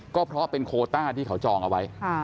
ก็เพราะเป็นโคต้าที่เขาจองเอาไว้